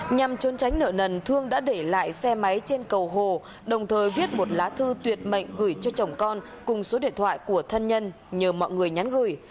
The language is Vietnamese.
nhằm trốn tránh nợ nần thương đã để lại xe máy trên cầu hồ đồng thời viết một lá thư tuyệt mệnh gửi cho chồng con cùng số điện thoại của thân nhân nhờ mọi người nhắn gửi